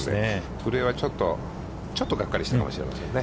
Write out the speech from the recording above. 古江はちょっとちょっと、がっかりしたかもしれませんね。